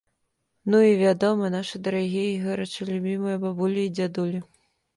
Ну і, вядома, нашы дарагія і горача любімыя бабулі і дзядулі.